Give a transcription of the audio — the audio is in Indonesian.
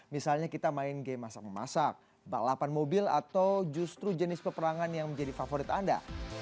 misalnya kita main game masak memasak balapan mobil atau justru jenis peperangan yang menjadi favorit anda